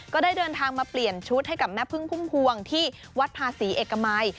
ก็ได้เดินทางมาเปลี่ยนชุดให้กับแม่พึ่งพุ่มพวงที่วัดภาษีเอกมัย